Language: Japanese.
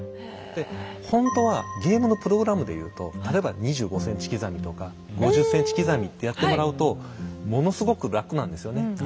でほんとはゲームのプログラムでいうと例えば２５ｃｍ刻みとか５０ｃｍ刻みってやってもらうとものすごく楽なんですよね。